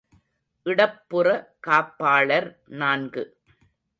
இடப்புற காப்பாளர் நான்கு.